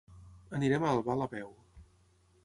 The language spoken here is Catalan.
Anirem a Albal a peu.